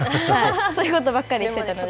そういうことばかりしてたので。